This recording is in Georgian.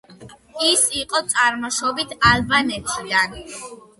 ის იყო წარმოშობით ალბანეთიდან.